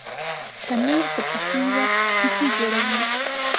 تنور د پخلي وخت کیسې جوړوي